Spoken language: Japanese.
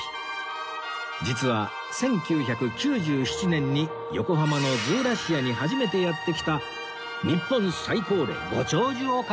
実は１９９７年に横浜のズーラシアに初めてやって来た日本最高齢ご長寿オカピなんです